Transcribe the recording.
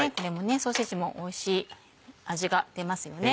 ソーセージもおいしい味が出ますよね。